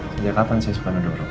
sejak kapan sih suka duduk